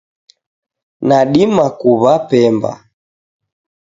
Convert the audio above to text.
Nadima kuwa pemba